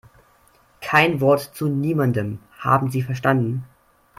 Kein Wort zu niemandem, haben Sie verstanden?